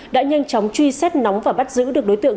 đã nhanh chóng truy xét nóng và bắt giữ được đối tượng